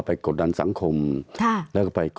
ตั้งแต่เริ่มมีเรื่องแล้ว